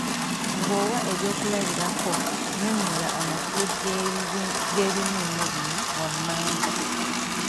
Ng’owa ebyokulabirako, nnyonnyola amakulu g’ebimiimo bino wammanga.